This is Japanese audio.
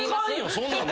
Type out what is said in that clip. そんなの。